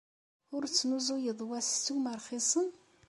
Ur tesnuzuyeḍ wa s ssuma rxisen?